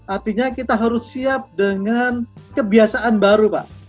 artinya kita harus siap dengan kebiasaan baru pak